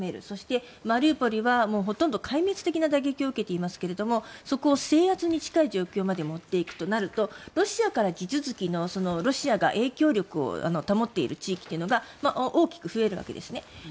そして、マリウポリはほとんど壊滅的な打撃を受けていますがそこを制圧に近い状況にまで持っていくとなるとロシアから地続きのロシアが影響力を保っているエリアというのが大きく増えるわけですね。